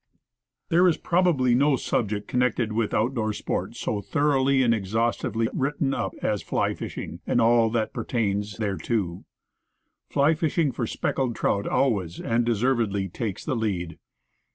THERE is probably no subject connected with out door sport so thoroughly and exhaustively written up as fly fishing, and all that pertains thereto. Fly fishing for speckled trout always, and deservedly, takes the lead.